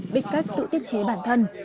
biết cách tự tiết chế bản thân